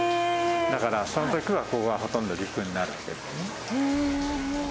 だからその時はここがほとんど陸になるんですね。